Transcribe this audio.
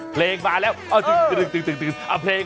เพลงมาแล้วเพลง